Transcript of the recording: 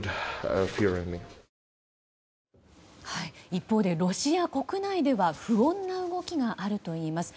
一方でロシア国内では不穏な動きがあるといいます。